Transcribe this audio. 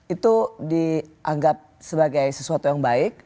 itu dianggap sebagai sesuatu yang baik